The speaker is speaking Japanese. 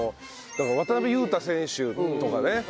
だから渡邊雄太選手とかね